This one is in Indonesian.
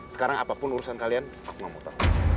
sekarang apapun urusan kalian aku nggak mau tahu